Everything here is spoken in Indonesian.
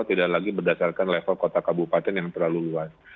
tidak lagi berdasarkan level kota kabupaten yang terlalu luas